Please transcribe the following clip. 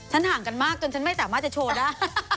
ห่างกันมากจนฉันไม่สามารถจะโชว์ได้